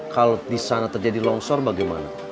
kalo disana terjadi longsor bagaimana